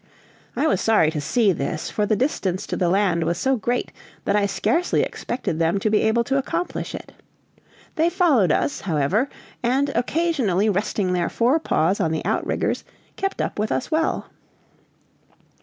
I was sorry to see this, for the distance to the land was so great that I scarcely expected them to be able to accomplish it. They followed us, however, and occasionally resting their fore paws on the out riggers, kept up with us well.